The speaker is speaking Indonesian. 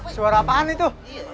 suara apaan itu